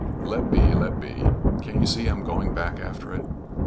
"Let be, let be. Can't you see I'm going back after it?"